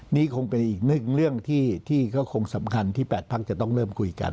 นี่คงเป็นอีกหนึ่งเรื่องที่ก็คงสำคัญที่๘พักจะต้องเริ่มคุยกัน